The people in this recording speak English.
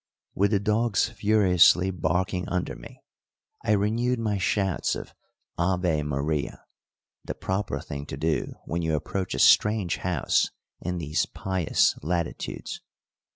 With the dogs furiously barking under me, I renewed my shouts of "Ave Maria" the proper thing to do when you approach a strange house in these pious latitudes.